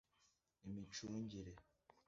imicungire